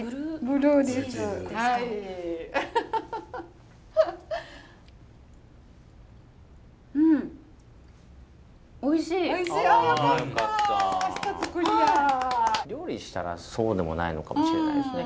料理したらそうでもないのかもしれないですね。